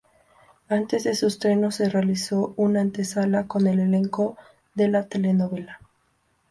Antes de su estreno, se realizó un antesala con el elenco de la telenovela.